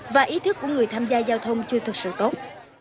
và ý thức của người tham gia giao thông chưa thực sự tốt